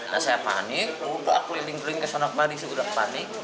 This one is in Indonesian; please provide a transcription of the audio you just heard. nah saya panik udah aku ling ling ke sana panik sih udah panik